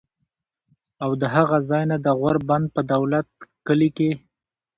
او د هغه ځائے نه د غور بند پۀ دولت کلي کښې